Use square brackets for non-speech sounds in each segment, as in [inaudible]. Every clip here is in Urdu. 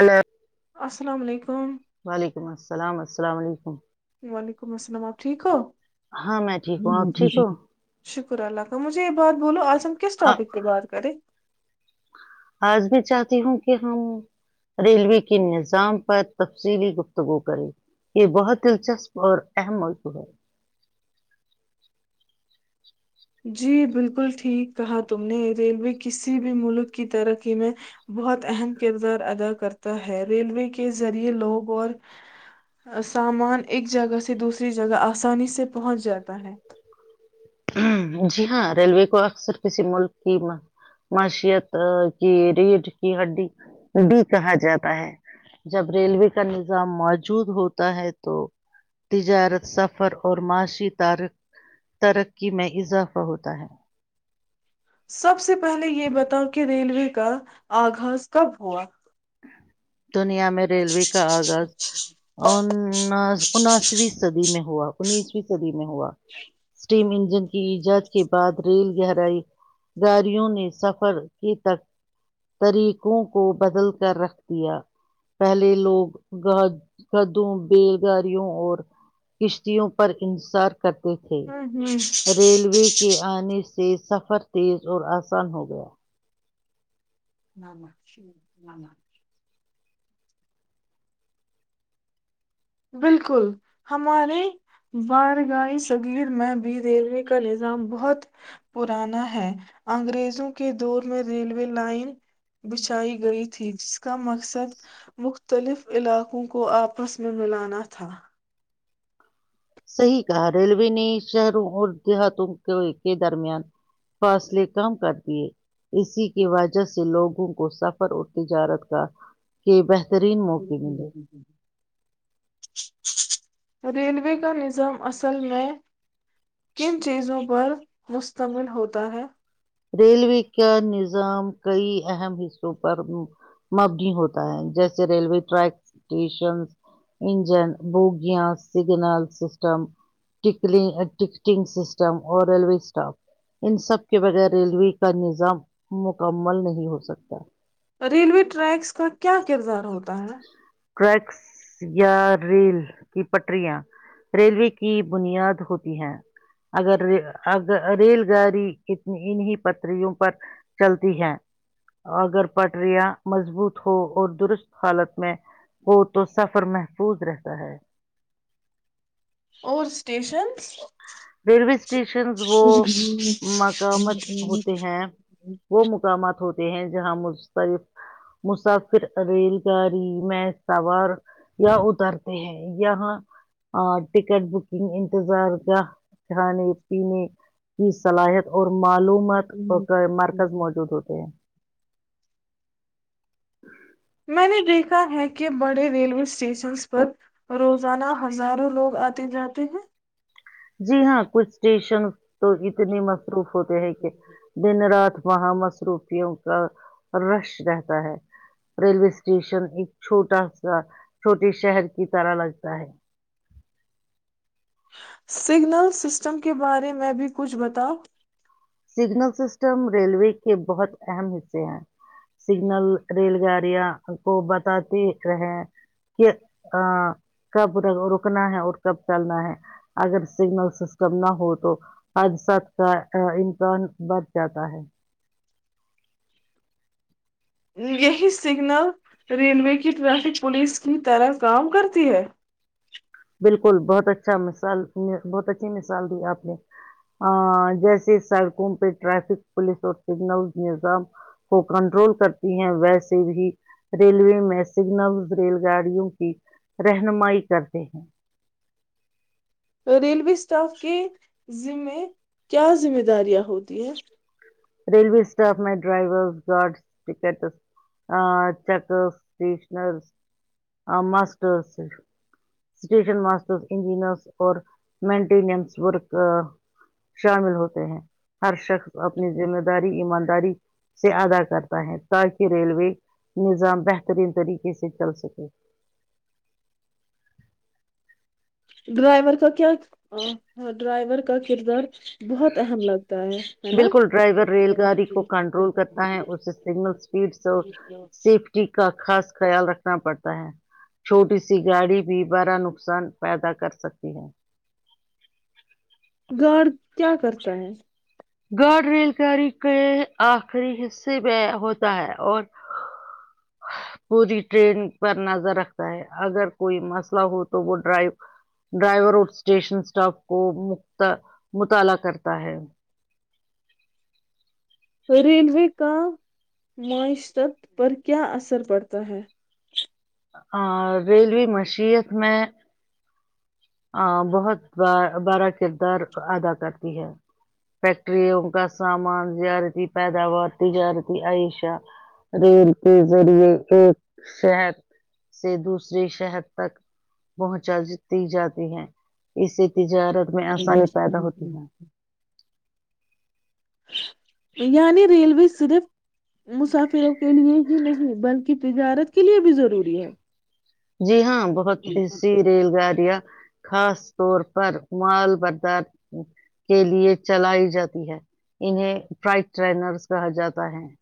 اللہ [inaudible] السلام علیکم وعلیکم السلام السلام علیکم وعلیکم السلام آپ ٹھیک ہو ہاں میں ٹھیک ہوں ا ٹھیک ہوں شکر اللہ کا مجھے یہ بات بولو ہم کس آ- ٹاپک پ بات کریں آج بھی چاہتی ہوں کہ ہم ریلوے کے نظام پر تفصیلی گفتگو کریں یہ بہت دلچسپ اور اہم مصو ہے جی بالکل ٹھیک کہا تم نے ریلوے کسی بھی ملک کی ترقی میں بہت اہم کردار ادا کرتا ہے ریلوے کے ذریعہ لوگ اور سامان ایک جگہ سے دوسری جگہ آسانی سے پہنچ جاتا ہے جی ہاں ریلوے کو اکثر کسی ملک کی معاشیت کی ریڑھ کی ہڈی بھی کہا جاتا ہے جب ریلوے کا نظام موجود ہوتا ہے تو تجارت سفر اور معاشی ت ترقی کہ میں اضافہ ہوتا ہے سب سے پہلے یہ بتاؤ کہ ریلوے کا آغاز کب ہوا دنیا میں ریلوے کا آغاز ان انسویں صدی میں ہوا انیسویں صدی میں ہوا اسٹیم انجن کی ایجاد کے بعد ریل گہرائی گاڑیوں نے سفر کے طریقوں کو بدل رکھ دیا پہلے لوگ گدوں بیلگااریوں اور کشتیوں پر انصار کرتے تھے ہوں ریلوے کے آنے سے سفر تیز اور آسان ہو گیا نہ نہ نہ [inaudible] بالکل ہمارے بارگائی صغیر میں بھی ریلوے کا نظام بہت پرانا ہے انگریزوں کے دور میں ریلوے لائن بچھائی گئی تھی جس کا مقصد مختلف علاقوں کو آپس مولانا تھا صحیح کہا ریلوے نے شہروں اور دیہاتوں کے کے درمیان فاصلے کم کر دیے اسی کی وجہ سے لوگوں کو سفر اور تجارت کا کہ بتر بہترین موقع ملے ریلوے کا نظام اصل میں کن چیزوں پر مشتمل ہوتا ہے ریلوے کا نظام کئی اہم حصوں پر مبنی ہوتا ہے جیسے ریلوے ٹریک اسٹیشن انجن بوگیاں سگنل سسٹم ٹکٹنگ سسٹم اور ریلوے اسٹاف ان سب کے بغیر ریلوے کا نظام مکمل نہیں ہو سکتا ریلوے ٹریکس کا کیا کردار ہوتا ہے ٹریکس یا ریل کی پٹریاں ریلوے کی بنیاد ہوتی ہے اگر اگر ریل گاڑینی انیں پٹریوں پر چلتی ہے اگر پٹریاں مضبوط ہو اور درست حالت میں وہ تو سفر محفوظ رہتا ہے اور اسٹیشنس ریلوے اسٹیشنز وہ مقامات ہوتے ہیں وہ مقامات ہوتے ہیں جہاں متلف مسافر ریل گاڑی میں سوار یا اترتے ہیں یہاں ٹکٹ بکنگ انتظار کا کھانے پینے کی صلاحیت اور معلومات کا مرکز موجود ہوتے ہیں [unintelligible] میں نے دیکھا ہے کہ بڑے ریلوے اسٹیشنز پر روزانہ ہزاروں لوگ آتے جاتے ہیں [unintelligible] جی ہاں کچھ اسٹیشن [unintelligible] تو اتنی مصروف ہوتے ہیں کہ دن رات [unintelligible] وہاں مصروفیوں کا رش رہتا ہے ریلوے اسٹیشن ایک چھوٹا سا چھوٹے شہر کی طرح لگتا ہے [unintelligible] سگنل سسٹم کے بارے میں بھی کچھ بتا [unintelligible] سگنل سسٹم ریلوے کے بہت اہم حصے ہیں سگنل ریل گاڑیاں کو بتاتے رہے کہ کب رکنا ہے اور کب چلنا ہے اگر سگنل سسٹم نہ ہو تو آج سات کا [unintelligible] سن بچ جاتا ہے [unintelligible] یہی سگنل ریلوے کی ٹریفک پولیس کی طرح کام کرتی ہے [unintelligible] بالکل بہت اچھا مثال بہت اچھی مثال دی آپ نے جیسے سڑکوں پہ ٹریافک پولیس اور سگنلز نظام کو کنٹرول کرتی ہیں ویسے بھی ریلوے میں سگنلز ریل گاڑیوں کی رہنمائی کر [unintelligible] جیھ ہ [inaudible] ریلوے اسٹاف کے ذمے کیا ذمہ داریاں ہوتی ہیں [unintelligible] ریلوے اسٹاف میں driver guards ticket checker stationer masters station masters engineers اور [unintelligible] مینٹیننس ورک [unintelligible] شامل ہوتے ہیں ہر شخص [unintelligible] ذمہ داری ایمان [unintelligible] اری سے ادا کرتا ہے تاکہ ریلوے نظام بہترین طریقے سے چل سکے [inaudible] ڈرائیور کا کیا ہاں ڈرائیور کا کردار [unintelligible] اہم لگتا ہے ہے بالکل ڈرائیور ریل گاڑی کو کنٹرول کرتا ہے اسے سگنل نا اسپیڈس اور سیفٹی کا خاص خیال رکھنا پڑتا [unintelligible] ہے چھوٹی سی گاڑی بھی بڑا نقصان پیدا کر سکتی ہے [unintelligible] گارڈ کیا کرتا ہے [unintelligible] گارڈ ریل گاڑاری کے آخری حصے میں ہوتا ہے اور پوری ٹرین پر نظر رکھتا ہے اگر کوئی مسئلہ ہو تو وہ ڈ ڈرائیور اور اسٹیشن اسٹاف کو مطالعہ کرتا ہے [unintelligible] ریلوے کا [unintelligible] معیشرت پر کیا اثر پڑتا ہے [unintelligible] ریلوی مشت میں [unintelligible] بہت بڑا کردار ادا کرتی ہے فیکٹریوں کا سامان زیارتی پیداوار تجارتی عائشہ ریل کے ذریعے ایک شہر سے دوسرے شہر تک پہنچای ج [unintelligible] ہیں اسے تجارت [unintelligible] میں آسانی پیدا ہوتی ہے [unintelligible] یعنی ریلوے صرف مسافروں کے لیے ہی نہیں بلکہ تجارت کے لیے بھی ضروری ہے [unintelligible] جی ہاں [unintelligible] بہت ای سی فلائی ریل گاڑیاں [unintelligible] خاص طور پر مال بردار کے لیے چلائی جاتی ہے انہیں فائٹ ٹنر کہا جاتا ہے [unintelligible]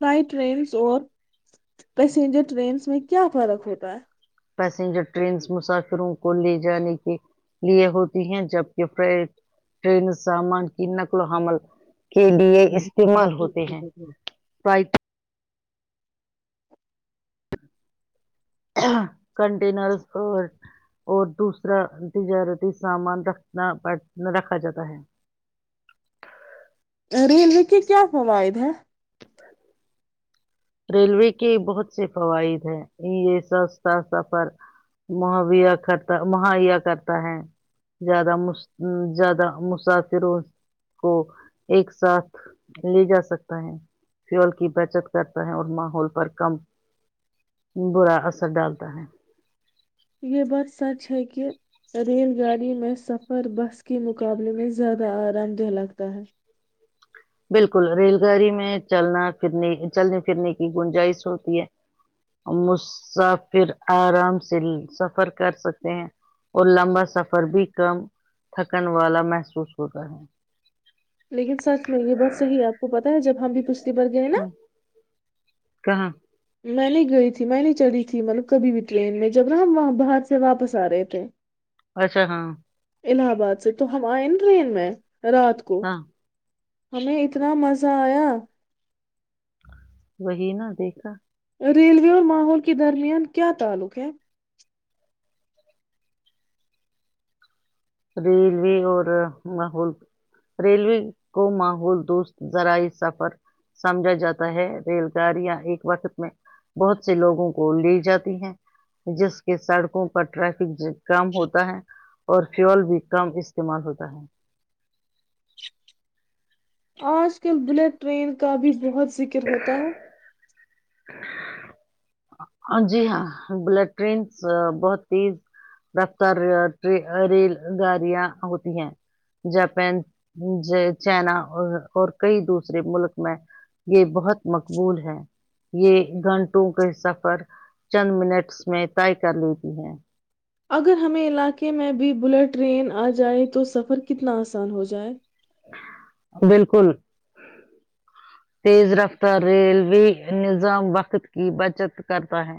فائ ٹرینس اور پیسینجر ٹرینس میں کیا فرق ہوتا ہے [unintelligible] پیسنجر ٹرینس مسافروں کو لے جانے کے لیے ہوتی ہیں جبک ف ٹرین سامان کی نقل و حمل [unintelligible] کے لیے ہے استعمال ہوتے ہیں [unintelligible] کنٹینرز اور اور دوسرا تجارتی سامان رکھنا رکھا جاتا ہے [unintelligible] رلوی کے کیا فوائد ہیں [unintelligible] ریلوے کے بہت سے فوائد ہیں یہ سستا سفر میا کرتا مہیا کرتا ہے زیادہ زیادہ مسافروں کو ایک ساتھ لے جا سکتے [unintelligible] فیول کی بچت کرتا ہے اور ماحول پر کم برا اثر ڈالتا ہے [unintelligible] یہ بات سچ ہے کہ ریل گاڑی میں سفر بس کے مقابلے میں زیادہ آرام دہ لگتا ہے [unintelligible] بالکل ریل گاڑی میں چلنا پھرنے چلنے پھرنے کی گنجائش ہوتی ہے م پھر آرام سے سفر کر سکتے ہیں اور لمبا سفر بھی کم تھکن والا محسوس ہو رہا ہے [unintelligible] لیکن سچ میں یہ بت صحی ہے آپ کو پتتا ہے جب ہم بھی پوچھتے برگ ہے نا ہ کہاں میں نہیں گئی تھی میں نہیں چڑھی تھی مطلب کبھی بھی ٹرین میں جب نا ہم وہاں باہر سے واپس آ رہے تھے اچھا ہاں الہ آباد سے تو ہم آئے نا ٹرین میں رات کو ہاں ہمیں اتنا مزہ آیا وہی نا دیکھا ریلوے اور ماحول کے درمیان کیا تعلق ہے ریلوے اور ماحول ریلوے کو ماحول دوست ذرائع سفر سمجھا جاتا ہے ریل گاڑیاں ایک وقت میں بہت سے لوگوں کو لی جاتی ہیں جس کے سڑکوں پر ٹریفک کام ہوتا ہے اور فول بھی کم استعمال ہوتا ہے آج کل بلیٹ ٹرین کا بھی بہت ذکر ہوتا ہے [inaudible] جی ہاں بلٹ ٹرینس بہت تیز رفتار ریل گاڑیاں ہوتی ہیں جاپان چائنا اور کئی دوسرے ملک میں یہ بہت مقبول ہے یہ گھنٹوں کے س پر چند منٹس میں طے کر لیتی ہیں اگر ہمیں علاقے میں بھی بلٹ ٹرین آ جائے تو سفر کتنا آسان ہو جائے بالکل تیز رفتار ریلوے نظام وقت کی بچت کرتا ہے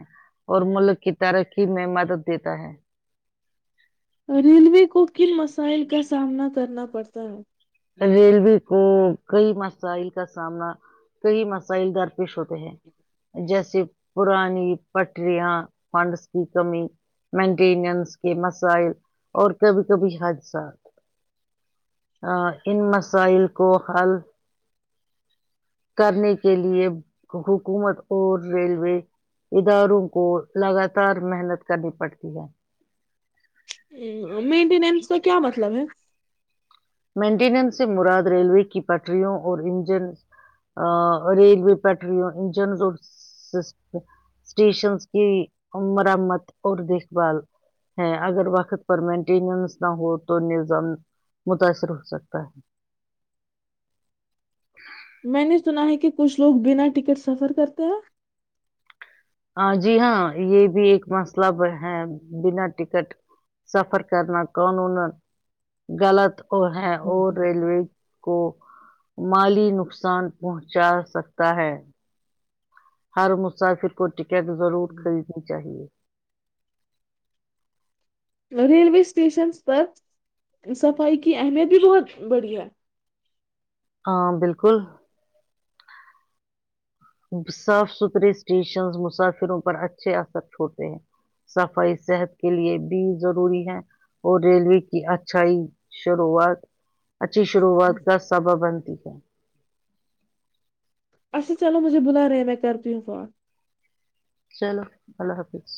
اور ملک کی ترقی میں مدد دیتا ہے ریلو کوک کن مسائل کا سامنا کرنا پڑتا ہے ریلوے کو کئی مسائل کا سامنا کئی مسائل در پیش ہوتے ہیں جیسے پرانی پٹریاں فنڈس کی کمی مینٹیننس کے مسائل اور کبھی کبھی حادثات ان مسائل کو حل کرنے کے لیے حکومت اور ریلوے اداروں کو لگاتار محنت کرنی پڑتی ہے ہ مینٹینینس کا کیا مطلب ہے مینٹیننس سے مراد ریلوے کی پٹریوں اور انجن ریلوے پٹریوں انجن اور اسٹیشنس کی مرمت اور دیکھ بھال ہے اگر وقت پر مینٹیننس نہ ہو تو نظام متاثر ہو سکتا ہے میں نے سنا ہے کہ کچھ لوگ بنا ٹکٹ سفر کرتے ہیں ہاں جی ہاں یہ بھی ایک مسلب ہے بنا ٹکٹ سفر کرنا قانون غلط اور ہے اور ریلوے کو مالی نقصان پہنچا سکتا ہے ہر موسا پھر کوٹ کیاک ضرور خریدنی چاہیے ریلوے اسٹیشنس پر صفائی کی اہمیت بھی بہت بڑی ہے ہاں بالکل صاف ستھرے اسٹیشن مسافروں پر اچھے اثر چھوتے ہیں صفائی صحت کے لیے بھی ضروری ہے اور ریلوے کی اچھائی شروعات اچھی شروعات کا سبا بن اچھا چلو مجھے بلا رہے ہیں میں کرتیوں فون چلو اللہ حافظ